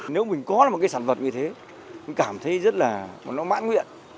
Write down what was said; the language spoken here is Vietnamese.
nếu mình có được một cái sản vật như thế mình cảm thấy rất là nó mãn nguyện